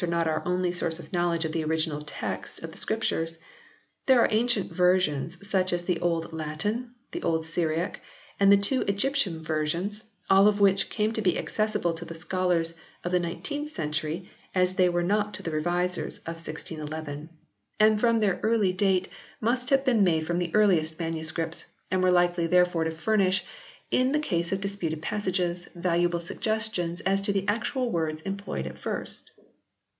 are not our only source of knowledge of the original text of the Scriptures. There are ancient versions such as the Old Latin, the Old Syriac and the two Egyptian versions, all of which came to be accessible to the scholars of the 19th century as they were not to the revisers of 1611, and from their early date must have 120 HISTORY OF THE ENGLISH BIBLE [CH. been made from the earliest manuscripts and were likely therefore to furnish, in the case of disputed passages, valuable suggestions as to the actual words employed at first.